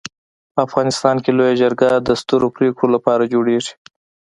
په افغانستان کي لويه جرګه د سترو پريکړو لپاره جوړيږي.